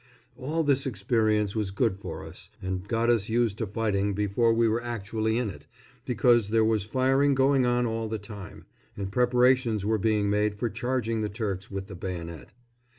All this experience was good for us, and got us used to fighting before we were actually in it, because there was firing going on all the time, and preparations were being made for charging the Turks with the bayonet.